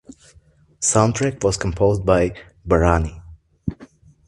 Soundtrack was composed by Bharani.